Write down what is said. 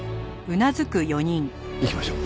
行きましょう。